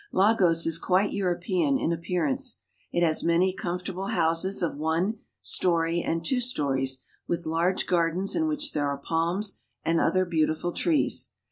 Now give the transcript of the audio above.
Lagos is quite European in appearance. It has many comfortable houses of one story and two stories, with large gardens in which there are palms and other beautiful trees.